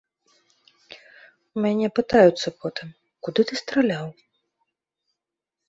У мяне пытаюцца потым, куды ты страляў?